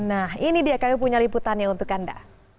nah ini dia kami punya liputannya untuk anda